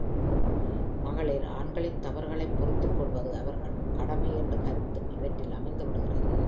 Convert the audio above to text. மகளிர் ஆண்களின் தவறுகளைப் பொறுத்துக் கொள்வது அவர்கள், கடமை என்ற கருத்தும் இவற்றில் அமைந்து விடுகிறது.